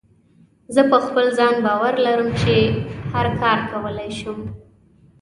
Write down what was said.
زه په خپل ځان باور لرم چې هر کار کولی شم.